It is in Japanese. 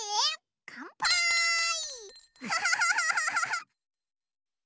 かんぱーい！